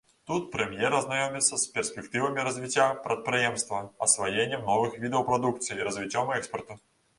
Тут прэм'ер азнаёміцца з перспектывамі развіцця прадпрыемства, асваеннем новых відаў прадукцыі і развіццём экспарту.